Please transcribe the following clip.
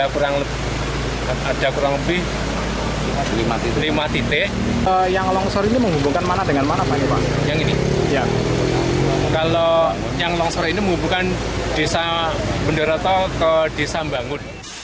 kalau yang longsor ini menghubungkan desa bendoroto ke desa bangun